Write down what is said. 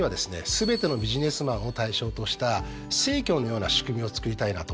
全てのビジネスマンを対象とした生協のような仕組みをつくりたいなと思ってるんですよ。